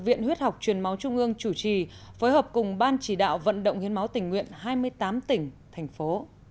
viện huyết học truyền máu trung ương chủ trì phối hợp cùng ban chỉ đạo vận động hiến máu tình nguyện hai mươi tám tỉnh thành phố